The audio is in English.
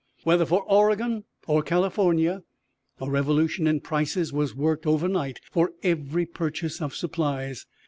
Whether for Oregon or California, a revolution in prices was worked overnight for every purchase of supplies.